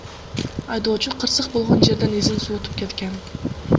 Айдоочу кырсык болгон жерден изин суутуп кеткен.